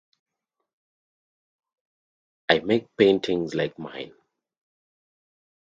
I make paintings like mine.